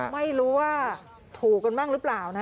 ไม่รู้ว่าถูกกันบ้างหรือเปล่านะ